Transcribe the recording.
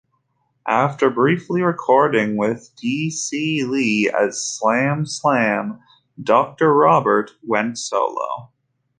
After briefly recording with Dee C. Lee, as Slam Slam, Doctor Robert went solo.